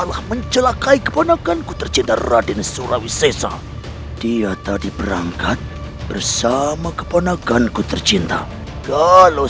sampai jumpa di video selanjutnya